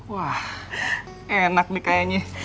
wah enak nih kayaknya